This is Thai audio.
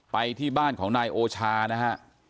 ไปที่บ้านของนายโอชานะฮะ